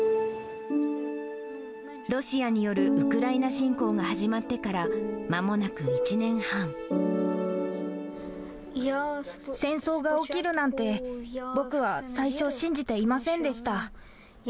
ロシアによるウクライナ侵攻が始戦争が起きるなんて、僕は最初、信じていませんでした。